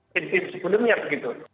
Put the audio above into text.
jadi tim tim sebelumnya begitu